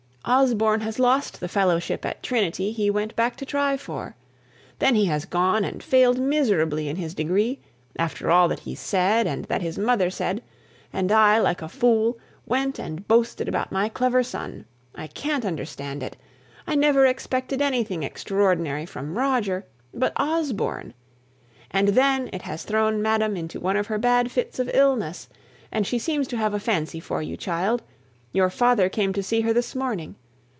Osborne has lost the fellowship at Trinity he went back to try for. Then he has gone and failed miserably in his degree, after all that he said, and that his mother said; and I, like a fool, went and boasted about my clever son. I can't understand it. I never expected anything extraordinary from Roger; but Osborne ! And then it has thrown madam into one of her bad fits of illness; and she seems to have a fancy for you, child! Your father came to see her this morning.